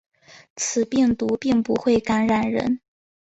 此病毒并不会感染人。